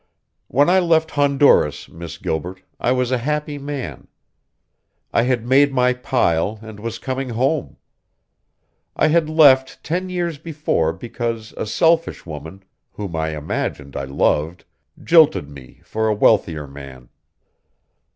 "When I left Honduras, Miss Gilbert, I was a happy man. I had made my pile and was coming home. I had left ten years before because a selfish woman, whom I imagined I loved, jilted me for a wealthier man.